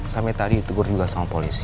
sampai tadi ditegur juga sama polisi